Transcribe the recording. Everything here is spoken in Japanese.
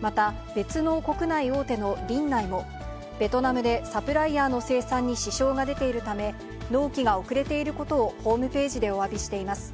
また、別の国内大手のリンナイも、ベトナムでサプライヤーの生産に支障が出ているため、納期が遅れていることをホームページでおわびしています。